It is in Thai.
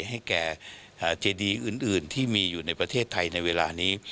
ให้แก่เจดีอื่นที่มีอยู่ในประเทศไทยในเวลานี้